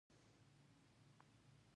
د زوی نه لرل د ښځې د ارزښت کمښت نه ښيي.